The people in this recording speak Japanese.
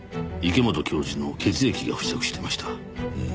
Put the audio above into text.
池本教授の血液が付着してました。